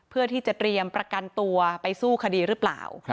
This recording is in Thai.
เพื่อที่จะเตรียมประกันตัวไปสู้คดีหรือเปล่า